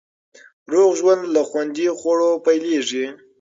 روغ ژوند له خوندي خوړو پیلېږي.